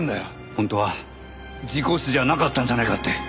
本当は事故死じゃなかったんじゃないかって。